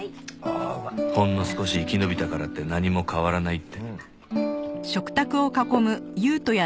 ほんの少し生き延びたからって何も変わらないって。